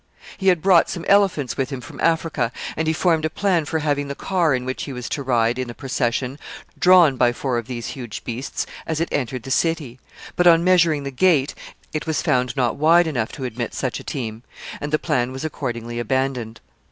He had brought some elephants with him from Africa, and he formed a plan for having the car in which he was to ride in the procession drawn by four of these huge beasts as it entered the city; but, on measuring the gate, it was found not wide enough to admit such a team, and the plan was accordingly abandoned.